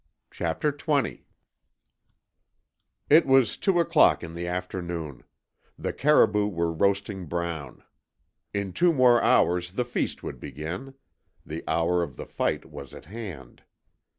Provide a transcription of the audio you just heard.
CHAPTER TWENTY It was two o'clock in the afternoon. The caribou were roasting brown. In two more hours the feast would begin. The hour of the fight was at hand.